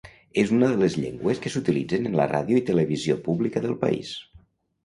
És una de les llengües que s'utilitzen en la ràdio i televisió pública del país.